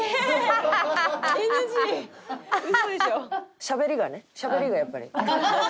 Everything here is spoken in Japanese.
しゃべりがねしゃべりがやっぱり。